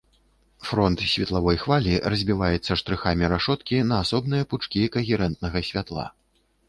Фронт светлавой хвалі разбіваецца штрыхамі рашоткі на асобныя пучкі кагерэнтнага святла.